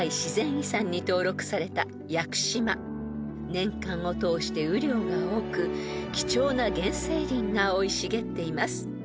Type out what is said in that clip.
［年間を通して雨量が多く貴重な原生林が生い茂っています］